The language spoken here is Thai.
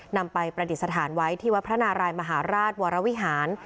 นำไปประดิษฐานไว้ที่วัดพระนารายมหาราชวรวิหาร